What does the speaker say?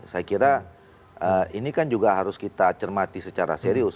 saya kira ini kan juga harus kita cermati secara serius